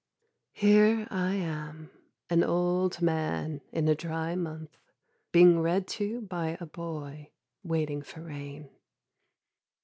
Here I am, an old man in a dry month, Being read to by a boy, waiting for rain.